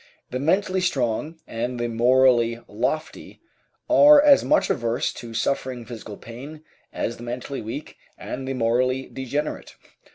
The mentally strong and the morally lofty are as much averse to suffering physical pain as the mentally weak and the morally degenerate.